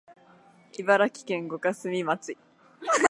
茨城県五霞町